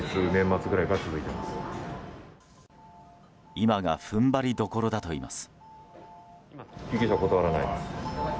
今が踏ん張りどころだといいます。